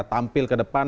tampil ke depan